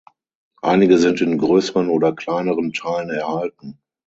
Einige sind in größeren oder kleineren Teilen erhalten.